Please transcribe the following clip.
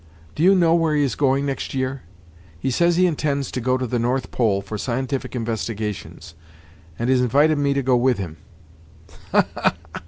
"Do you know where he is going next year? He says he intends to go to the North Pole for scientific investigations, and has invited me to go with him!